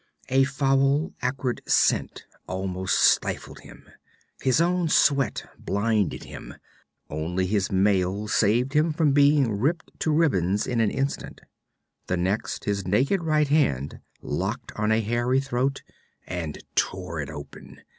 A foul acrid scent almost stifled him, his own sweat blinded him. Only his mail saved him from being ripped to ribbons in an instant. The next, his naked right hand locked on a hairy throat and tore it open.